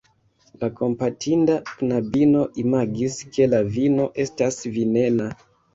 La kompatinda knabino imagis, ke la vino estas venena.